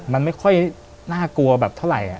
มันไม่ค่อยน่ากลัวแบบเท่าไหร่